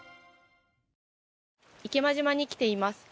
池間島に来ています。